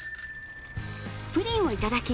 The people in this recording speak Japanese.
プリンをいただき